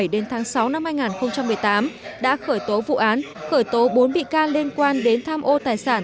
đến tháng sáu năm hai nghìn một mươi tám đã khởi tố vụ án khởi tố bốn bị can liên quan đến tham ô tài sản